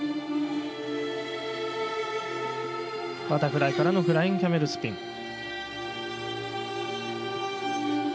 バタフライからのフライングキャメルスピン。